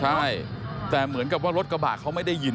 ใช่แต่เหมือนกับว่ารถกระบะเขาไม่ได้ยิน